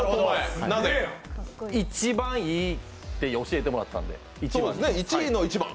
一番いいって教えてもらったんで。